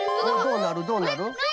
どうなるどうなる？